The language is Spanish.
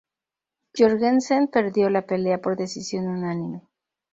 Jorgensen perdió la pelea por decisión unánime.